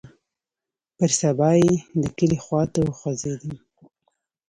پر سبا يې د کلي خوا ته وخوځېدم.